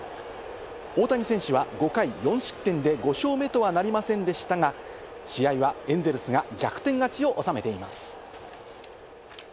大谷選手は５回４失点で５勝目とはなりませんでしたが、試合はエンゼルスが逆転勝ちを収めています。